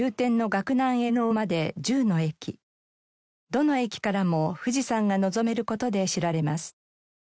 どの駅からも富士山が望める事で知られます。